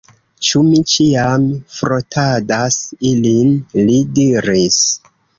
Ĉu mi ĉiam frotadas ilin? li diris.